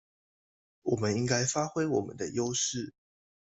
我們應該發揮我們的優勢